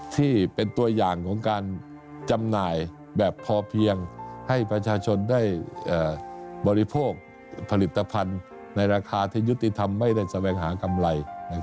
ที่เป็นตัวอย่างของการจำหน่ายแบบพอเพียงให้ประชาชนได้บริโภคผลิตภัณฑ์ในราคาที่ยุติธรรมไม่ได้แสวงหากำไร